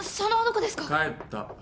帰った。